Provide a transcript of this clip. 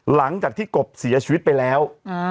หลังจากที่กบเสียชีวิตไปแล้ว